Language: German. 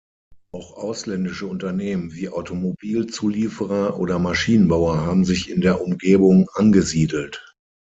Auch ausländische Unternehmen wie Automobilzulieferer oder Maschinenbauer haben sich in der Umgebung angesiedelt.